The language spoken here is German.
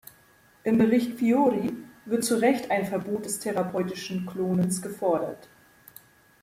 Im Bericht Fiori wird zu Recht ein Verbot des therapeutischen Klonens gefordert.